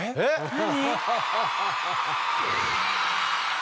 何？